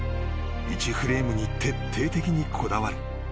１フレームに徹底的にこだわる］